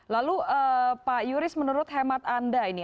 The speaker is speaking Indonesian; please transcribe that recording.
lalu pak yuris menurut hemat anda ini